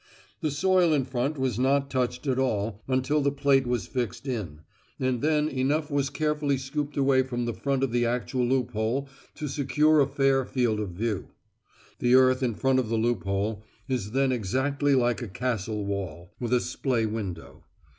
The soil in front was not touched at all until the plate was fixed in, and then enough was carefully scooped away from the front of the actual loophole to secure a fair field of view. The earth in front of the loophole is then exactly like a castle wall, with a splay window.